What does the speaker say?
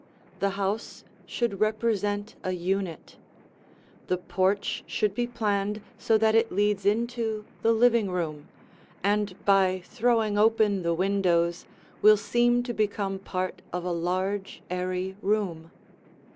The house should represent a unit; the porch should be planned so that it leads into the living room, and by throwing open the windows, will seem to become part of a large airy room.